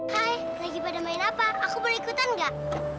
hai lagi pada main apa aku boleh ikutan gak